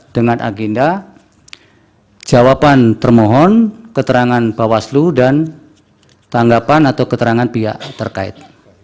dengan agenda jawaban termohon keterangan bawaslu dan tanggapan atau keterangan pihak terkait